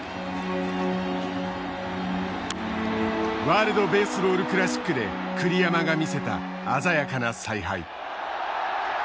ワールド・ベースボール・クラシックで栗山が見せた鮮やかな采配。